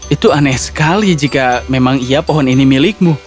itu aneh sekali jika memang iya pohon ini milikmu